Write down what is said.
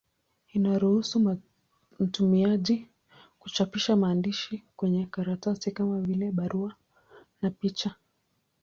Inaruhusu mtumiaji kuchapisha maandishi kwenye karatasi, kama vile barua na picha.